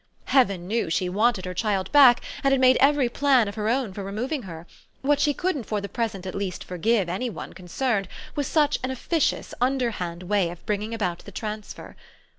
Heaven knew she wanted her child back and had made every plan of her own for removing her; what she couldn't for the present at least forgive any one concerned was such an officious underhand way of bringing about the transfer.